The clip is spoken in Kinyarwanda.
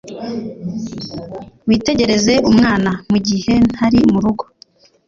Witegereze umwana mugihe ntari murugo.